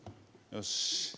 よし！